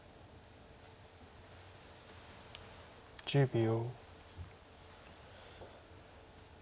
１０秒。